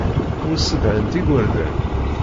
Ur ssedhant igerdan.